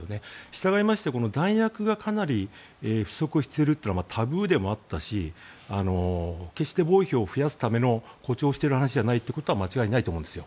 したがって弾薬がかなり不足しているというのはタブーでもあったし決して防衛費を増やすための誇張している話ではないというのは間違いないと思うんですよ。